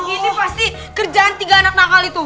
ini pasti kerjaan tiga anak nakal itu